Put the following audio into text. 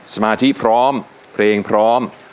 สมาธิพร้อมเพลงพร้อม